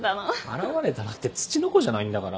現れたらってツチノコじゃないんだから。